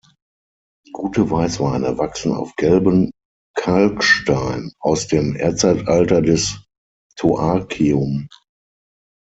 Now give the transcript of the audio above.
Gute Weißweine wachsen auf gelbem Kalkstein aus dem Erdzeitalter des Toarcium.